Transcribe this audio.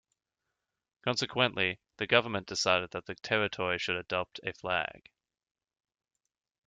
Consequently, the government decided that the Territory should adopt a flag.